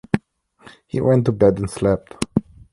He went to bed and slept.